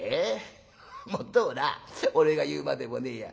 もっともな俺が言うまでもねえや。